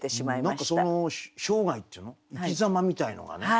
生涯っていうの生きざまみたいなのがね。